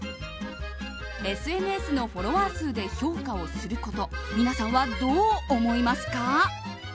ＳＮＳのフォロワー数で評価をすること皆さんはどう思いますか？